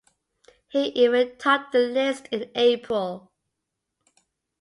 He even topped the list in April.